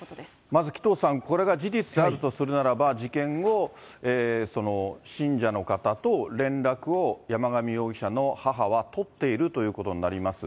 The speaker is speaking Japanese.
まず、紀藤さん、これが事実であるとするならば、事件後、信者の方と連絡を山上容疑者の母は取っているということになります。